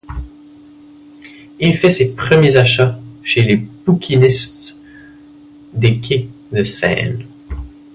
Il fait ses premiers achats chez les bouquinistes des quais de Seine.